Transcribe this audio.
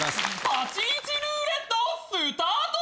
立ち位置ルーレットスタート！